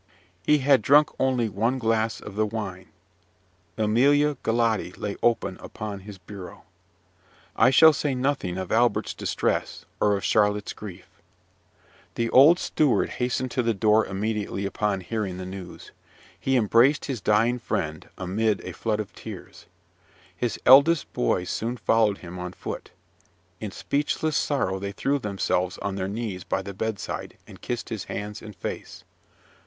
He had drunk only one glass of the wine. "Emilia Galotti" lay open upon his bureau. I shall say nothing of Albert's distress, or of Charlotte's grief. The old steward hastened to the house immediately upon hearing the news: he embraced his dying friend amid a flood of tears. His eldest boys soon followed him on foot. In speechless sorrow they threw themselves on their knees by the bedside, and kissed his hands and face.